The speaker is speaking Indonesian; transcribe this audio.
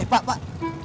eh pak pak